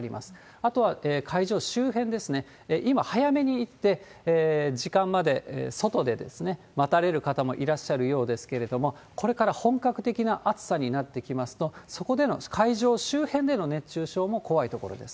あとは会場周辺ですね、今、早めに行って、時間まで外で待たれる方もいらっしゃるようですけれども、これから本格的な暑さになってきますと、そこでの会場周辺での熱中症も怖いところです。